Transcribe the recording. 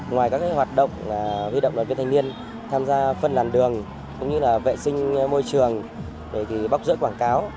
ngoài các hoạt động huy động đoàn viên thanh niên tham gia phân làn đường cũng như là vệ sinh môi trường bóc rỡ quảng cáo